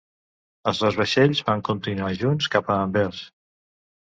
Els dos vaixells van continuar junts cap a Anvers.